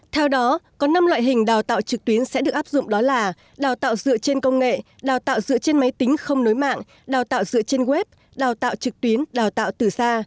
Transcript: theo đó có năm loại hình đào tạo trực tuyến sẽ được áp dụng đó là đào tạo dựa trên công nghệ đào tạo dựa trên máy tính không nối mạng đào tạo dựa trên web đào tạo trực tuyến đào tạo từ xa